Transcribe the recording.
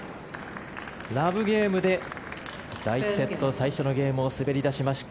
ラブゲームで第１セット、最初のゲームを滑り出しました。